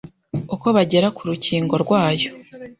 uko bagera ku rukingo rwayo